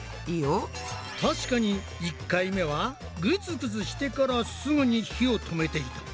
確かに１回目はグツグツしてからすぐに火を止めていた。